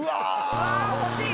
うわ欲しい。